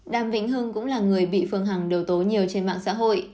đàm vĩnh hưng cũng là người bị phương hằng đầu tố nhiều trên mạng xã hội